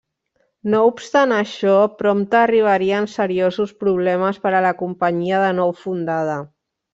No obstant això, prompte arribarien seriosos problemes per a la companyia de nou fundada.